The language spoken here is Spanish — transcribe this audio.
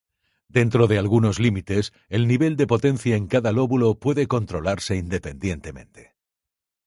Dentro de algunos límites, el nivel de potencia en cada lóbulo puede controlarse independientemente.